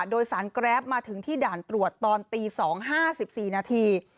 โดยสารแกรปมาถึงที่ด่านตรวจตอนตี๒๕๔นาที